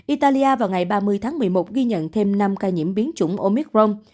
italia vào ngày ba mươi tháng một mươi một ghi nhận thêm năm ca nhiễm biến chủng omicron